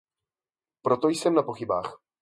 Proto jsem na pochybách.